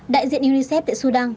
đại diện unicef tại sudan